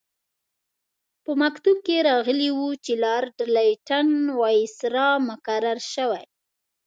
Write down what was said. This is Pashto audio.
په مکتوب کې راغلي وو چې لارډ لیټن وایسرا مقرر شوی.